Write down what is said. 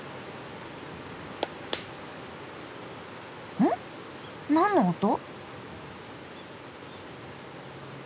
うん？何の音？